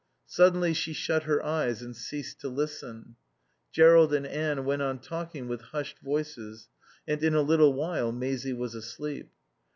Suddenly she shut her eyes and ceased to listen. Jerrold and Anne went on talking with hushed voices, and in a little while Maisie was asleep.